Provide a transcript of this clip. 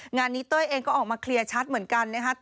งานนี้เต้ยเองก็ออกมาเคลียร์ชัดเหมือนกันนะครับ